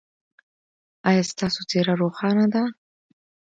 ایا ستاسو څیره روښانه ده؟